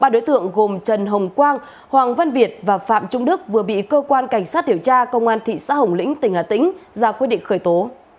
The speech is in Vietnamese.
ba đối tượng gồm trần hồng quang hoàng văn việt và phạm trung đức vừa bị cơ quan cảnh sát hiểu tra công an tp hcm ra quyết định khởi tố